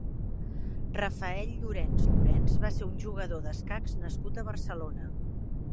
Rafael Llorens Llorens va ser un jugador d'escacs nascut a Barcelona.